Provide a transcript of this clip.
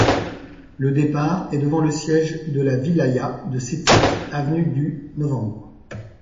Le départ est devant le siège de la wilaya de Sétif, avenue du novembre.